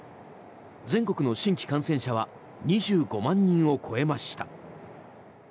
全国の新規感染者は２５万人を超えました。